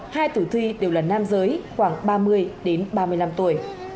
hai tử thi đều là nam giới khoảng ba mươi đến ba mươi năm tuổi